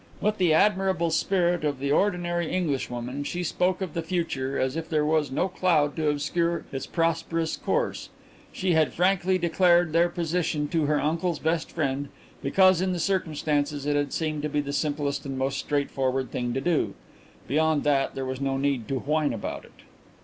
With the admirable spirit of the ordinary Englishwoman, she spoke of the future as if there was no cloud to obscure its prosperous course. She had frankly declared their position to her uncle's best friend because in the circumstances it had seemed to be the simplest and most straightforward thing to do; beyond that, there was no need to whine about it.